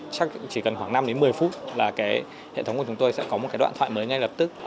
chắc chỉ cần khoảng năm một mươi phút là hệ thống của chúng tôi sẽ có một đoạn thoại mới ngay lập tức